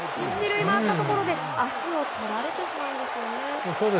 １塁を回ったところで足を取られてしまうんですね。